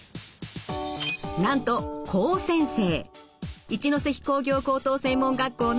なんと高専生。